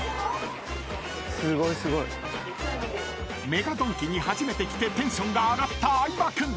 ［ＭＥＧＡドンキに初めて来てテンションが上がった相葉君］